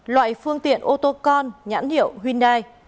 loại phương tiện ô tô con nhãn hiệu hyundai